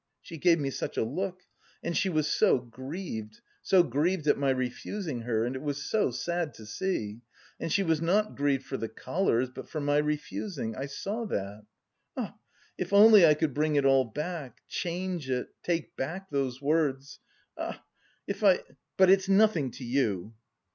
She gave me such a look. And she was so grieved, so grieved at my refusing her. And it was so sad to see.... And she was not grieved for the collars, but for my refusing, I saw that. Ah, if only I could bring it all back, change it, take back those words! Ah, if I... but it's nothing to you!"